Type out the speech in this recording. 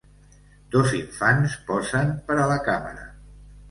Dos infants posen per a la càmera.